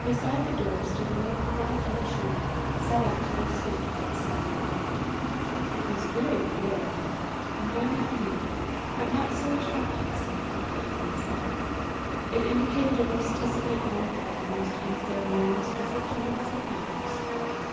Beside the door stood a milk pail and a churn, set out to be sweetened by the sun and wind. It was very rural, they thought, and very homely, but not so attractive as some cottages in the south: it indicated a rusticity honoured by the most unceremonious visit from its superiors.